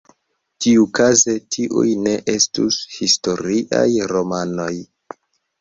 Tiukaze tiuj ne estus historiaj romanoj.